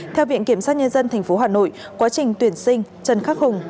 theo viện kiểm sát nhân dân tp hà nội quá trình tuyển sinh trần khắc hùng